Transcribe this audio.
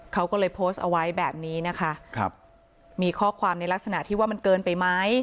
เขาก็เลยโพสต์เอาไว้แบบนี้นะคะครับมีข้อความในลักษณะที่ว่ามันเกินไปไหม